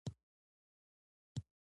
سهار د زړه نرموالی زیاتوي.